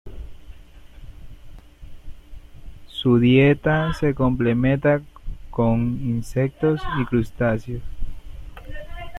Su dieta se complementa con insectos y crustáceos.